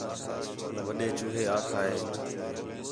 وݙّے چوہے آکھا ہِے